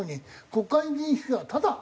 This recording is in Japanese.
国会議員宿舎はタダ。